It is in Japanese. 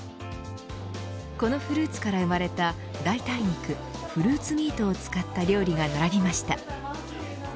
このフルーツから生まれた代替肉フルーツミートを使った料理が並びました。